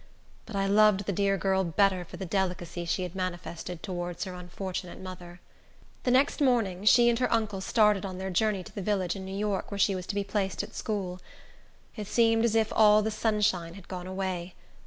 But I loved the dear girl better for the delicacy she had manifested towards her unfortunate mother. The next morning, she and her uncle started on their journey to the village in New York, where she was to be placed at school. It seemed as if all the sunshine had gone away.